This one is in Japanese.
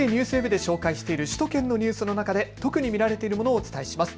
ＮＨＫＮＥＷＳＷＥＢで紹介している首都圏のニュースの中で特に見られているものをお伝えします。